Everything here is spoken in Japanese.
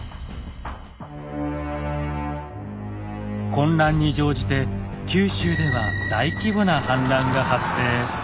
混乱に乗じて九州では大規模な反乱が発生。